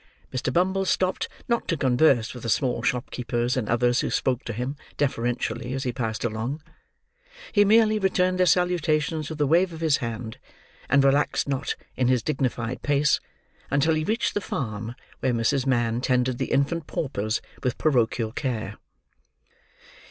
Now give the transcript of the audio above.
Mr. Bumble stopped not to converse with the small shopkeepers and others who spoke to him, deferentially, as he passed along. He merely returned their salutations with a wave of his hand, and relaxed not in his dignified pace, until he reached the farm where Mrs. Mann tended the infant paupers with parochial care.